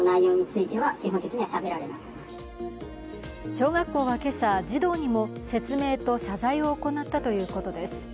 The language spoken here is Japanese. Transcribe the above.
小学校は今朝、児童にも説明と謝罪を行ったということです。